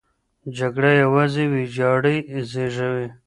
جګړه یوازې ویجاړۍ زېږوي.